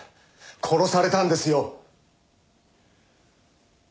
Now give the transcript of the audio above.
殺されたんですよ。